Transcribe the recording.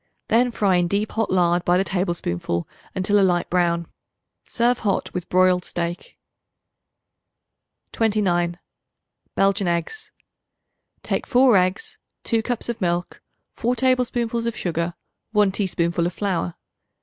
Then fry in deep hot lard by the tablespoonful until a light brown. Serve hot with broiled steak. 29. Belgian Eggs. Take 4 eggs, 2 cups of milk, 4 tablespoonfuls of sugar, 1 teaspoonful of flour.